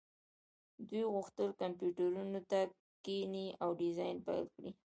دوی غوښتل کمپیوټرونو ته کښیني او ډیزاین پیل کړي